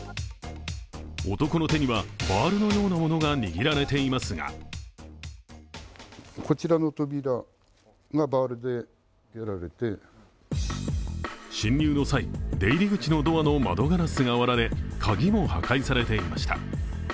男の手にはバールのようなものが握られていますが侵入の際、出入り口のドアの窓ガラスが割られ鍵も破壊されていました。